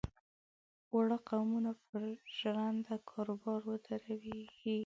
د وړو قومونو پر ژرنده کاروبار ودرېږي.